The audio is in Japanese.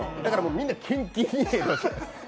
みんなキンキンに冷えてました。